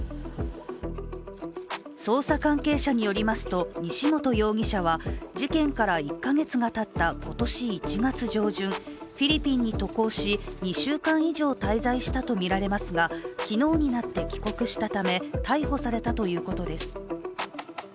捜査関係者によりますと西本容疑者は事件から１か月がたった今年１月上旬フィリピンに渡航し、２週間以上滞在したとみられますが、昨日になって帰国したため逮捕されたということです。